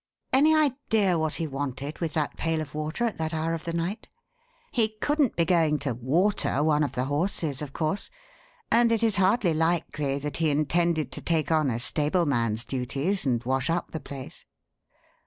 Any idea what he wanted with that pail of water at that hour of the night? He couldn't be going to 'water' one of the horses, of course, and it is hardly likely that he intended to take on a stableman's duties and wash up the place."